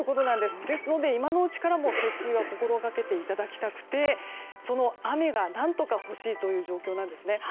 ですので今のうちから節水を心がけていただきたくてその雨が何とか欲しいという状況なんです。